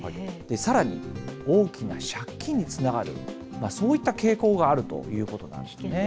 さらに、大きな借金につながる、そういった傾向があるということなんですね。